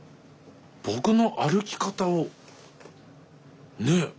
僕の歩き方をねえ